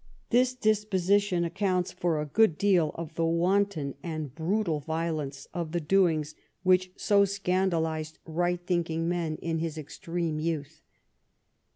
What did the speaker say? This disposition accounts for a good deal of the wanton and brutal violence of the doings which so scandalised right 62 EDWARD I chap. thinking men in his extreme youth.